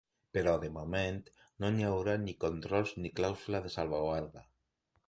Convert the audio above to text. Però, de moment, no hi haurà ni controls ni clàusula de salvaguarda.